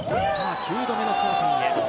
９度目の頂点へ。